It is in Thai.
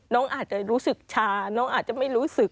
น้องอาจจะรู้สึกชาน้องอาจจะไม่รู้สึก